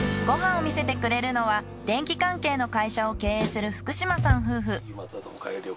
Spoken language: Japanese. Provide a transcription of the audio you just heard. ご飯を見せてくれるのは電気関係の会社を経営する福島さん夫婦。